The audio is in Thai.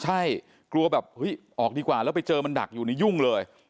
ใช่กลัวแบบเฮ้ยออกดีกว่าแล้วไปเจอมันดักอยู่นี่ยุ่งเลย